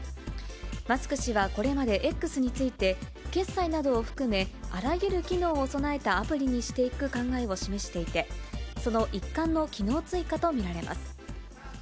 マスク氏はこれまでＸについて、決済などを含め、あらゆる機能を備えたアプリにしていく考えを示していて、その一環の機能追加と見られます。